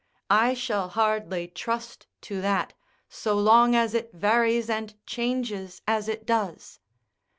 I shall hardly trust to that, so long as it varies and changes as it does.